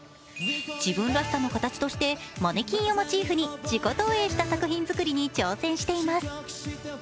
自分らしさの形としてマネキンをモチーフに自己投影した作品作りに挑戦しています。